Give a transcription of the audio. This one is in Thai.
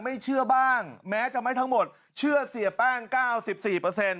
ไม่เชื่อบ้างแม้จะไม่ทั้งหมดเชื่อเสียแป้งเก้าสิบสี่เปอร์เซ็นต์